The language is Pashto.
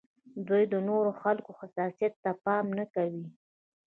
دوی د نورو خلکو حساسیت ته پام نه کوي.